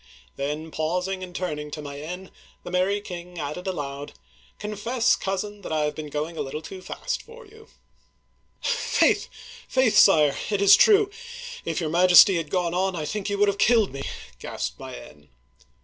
'* Then, pausing and turning to Mayenne, the merry king added aloud, " Confess, cousin, that I have been going a little too fast for you !Digitized by VjOOQIC 290 OLD FRANCE "Faith, Sire, it is true. If your Majesty had gone on, I think you would have killed me !" gasped Mayenne.